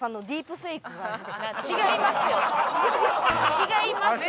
違いますよ。